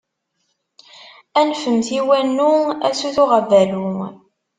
Anfemt i wannu, a sut uɣbalu!